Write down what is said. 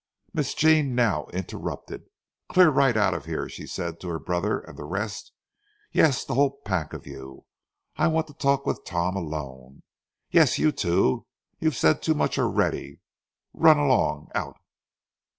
Miss Jean now interrupted. "Clear right out of here," she said to her brother and the rest. "Yes, the whole pack of you. I want to talk with Tom alone. Yes, you too—you've said too much already. Run along out."